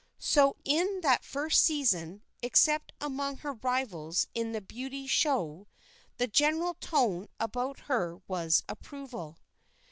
So in that first season, except among her rivals in the beauty show, the general tone about her was approval.